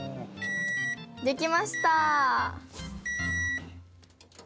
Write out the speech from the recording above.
できました！